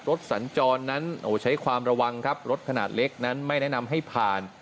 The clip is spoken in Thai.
สัญจรนั้นใช้ความระวังครับรถขนาดเล็กนั้นไม่แนะนำให้ผ่าน